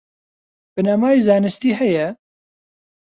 بنەمای زانستی هەیە؟